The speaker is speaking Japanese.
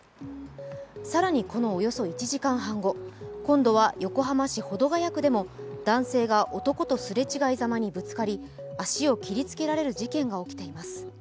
更に、このおよそ１時間半後、今度は横浜市保土ケ谷区でも男性が男と擦れ違いざまにぶつかり足を切りつけられる事件が起きています。